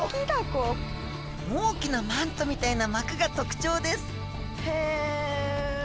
大きなマントみたいな膜が特徴ですへえ！